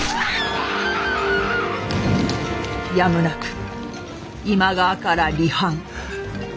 やむなく今川から離反。